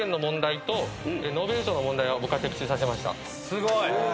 すごい。